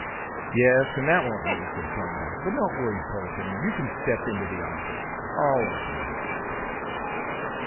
"Yes; and that won't do," said Thorndyke. "But don't worry, Polton. You can step into the office. I'll open the door."